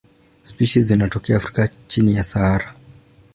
Spishi za zinatokea Afrika chini ya Sahara.